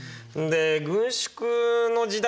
軍縮の時代